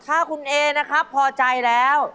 ถ้าคุณเอนะครับพอใจแล้ว